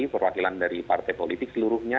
perwakilan dari partai politik seluruhnya